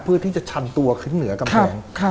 เพื่อที่จะชันตัวขึ้นเหนือกำแพง